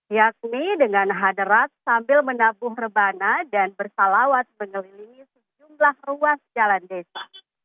yakni dengan haderat sambil menabuh rebana dan bersalawat mengelilingi sejumlah ruas jalan desa